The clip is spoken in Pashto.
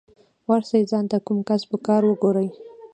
ورسئ ځان ته کوم کسب کار وگورئ.